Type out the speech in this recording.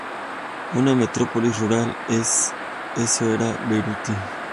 Una metrópolis rural eso era Beruti.